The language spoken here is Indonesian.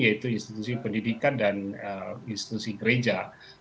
yaitu institusi pendidikan dan institusi gereja